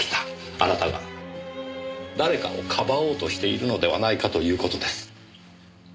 あなたが誰かをかばおうとしているのではないかという事です。